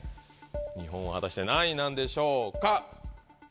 日本は果たして何位なんでしょうか？